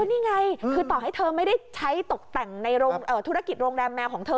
นี่ไงคือต่อให้เธอไม่ได้ใช้ตกแต่งในธุรกิจโรงแรมแมวของเธอ